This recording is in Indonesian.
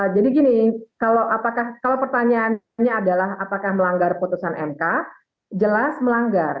jadi gini kalau pertanyaannya adalah apakah melanggar putusan mk jelas melanggar